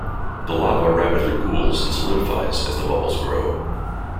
The lava rapidly cools and solidifies as the bubbles grow.